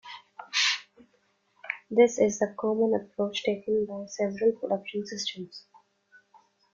This is a common approach taken by several production systems.